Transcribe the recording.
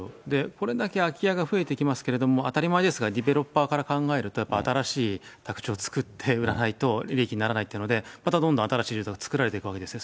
これだけ空き家が増えてきますけれども、当たり前ですが、ディベロッパーから考えると、新しい宅地を造って売らないと利益にならないってことで、またどんどん新しいものが作られていくんですよね。